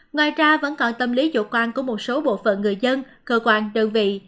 ngoài ra vẫn còn tâm lý chủ quan của một số bộ phận người dân cơ quan đơn vị